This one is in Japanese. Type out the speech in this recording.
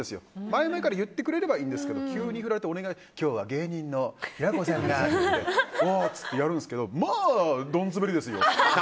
前々から言ってくれたらいいんですけど、急に振られて今日は芸人の平子さんがってやるんですけどまあどんスベりですよ。